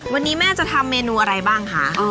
วันนี้แม่จะทำเมนูอะไรบ้างคะ